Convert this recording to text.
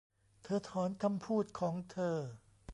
เธอถอนคำพูดของเธอ